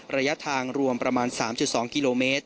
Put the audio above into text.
ระยะทางรวมประมาณ๓๒กิโลเมตร